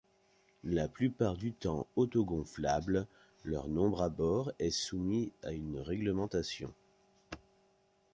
La plupart du temps auto-gonflable, leur nombre à bord est soumis à une règlementation.